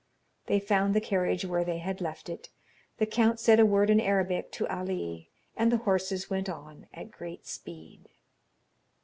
They found the carriage where they had left it. The count said a word in Arabic to Ali, and the horses went on at great speed.